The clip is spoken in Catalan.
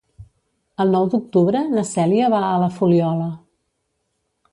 El nou d'octubre na Cèlia va a la Fuliola.